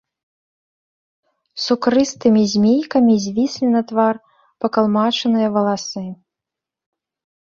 Сукрыстымі змейкамі звіслі на твар пакалмачаныя валасы.